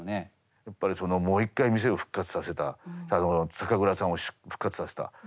やっぱりそのもう一回店を復活させた酒蔵さんを復活させた。